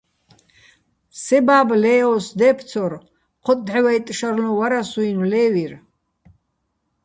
სე ბა́ბო̆ ლეოს დე́ფცორ: ჴოტ-დჵევა́ჲტტ შარლუჼ ვარასო̆-უ́ჲნო̆ ლე́ვირ.